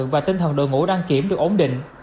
và tinh thần đội ngũ đăng kiểm được ổn định